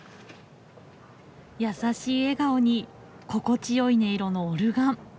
優しい笑顔に心地よい音色のオルガン。